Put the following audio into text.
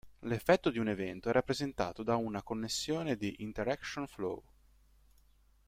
L'effetto di un evento è rappresentato da una connessione di "interaction flow".